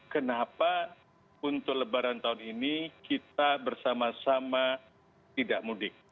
kenapa untuk lebaran tahun ini kita bersama sama tidak mudik